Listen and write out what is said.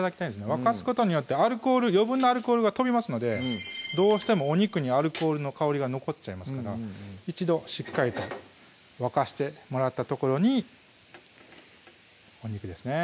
沸かすことによってアルコール余分なアルコールが飛びますのでどうしてもお肉にアルコールの香りが残っちゃいますから一度しっかりと沸かしてもらったところにお肉ですね